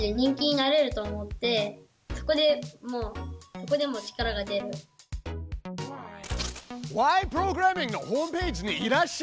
そこでも「Ｗｈｙ！？プログラミング」のホームページにいらっしゃい。